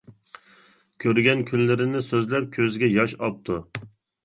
كۆرگەن كۈنلىرىنى سۆزلەپ كۆزىگە ياش ئاپتۇ.